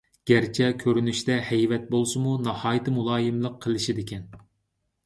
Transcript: گەرچە كۆرۈنۈشىدە ھەيۋەت بولسىمۇ ناھايىتى مۇلايىملىق قىلىشىدىكەن.